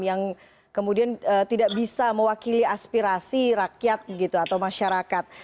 yang kemudian tidak bisa mewakili aspirasi rakyat gitu atau masyarakat